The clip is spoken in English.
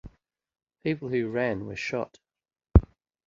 People who ran were shot.